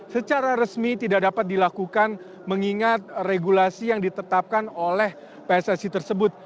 secara resmi tidak dapat dilakukan mengingat regulasi yang ditetapkan oleh pssi tersebut